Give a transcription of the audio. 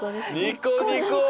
ニコニコ！